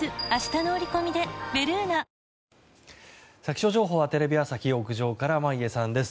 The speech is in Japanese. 気象情報はテレビ朝日屋上から真家さんです。